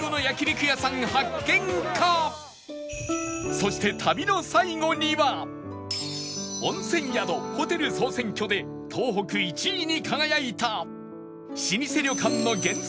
そして温泉宿・ホテル総選挙で東北１位に輝いた老舗旅館の源泉